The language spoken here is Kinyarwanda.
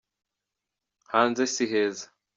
hanze siheza